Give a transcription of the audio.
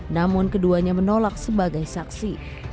namun keduanya menolak sebagai saksi